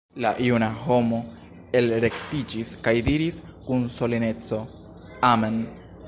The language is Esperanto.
La juna homo elrektiĝis kaj diris kun soleneco: -- Amen!